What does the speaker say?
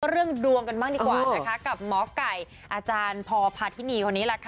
เรื่องดวงกันบ้างดีกว่านะคะกับหมอไก่อาจารย์พอพาทินีคนนี้ล่ะค่ะ